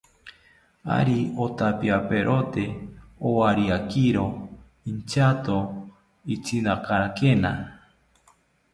Ari otampiaperote owariakiro intyato itzinakakena